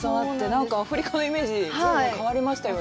なんか、アフリカのイメージ、随分、変わりましたよね。